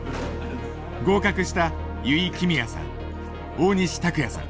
合格した油井亀美也さん大西卓哉さん。